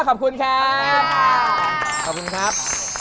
ขอบคุณครับ